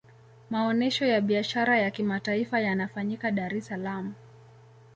maonesho ya biashara ya kimataifa yanafanyika dar es salaam